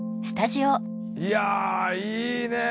いやいいね。